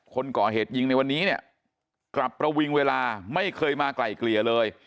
คนก่อเหตุยิงในวันนี้เนี่ยกลับประวิงเวลาไม่เคยมาไกลเกลี่ยเลย